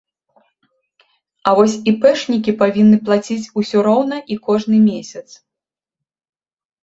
А вось іпэшнікі павінны плаціць усё роўна і кожны месяц.